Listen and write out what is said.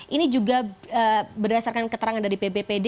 ini juga berdasarkan keterangan dari pbpd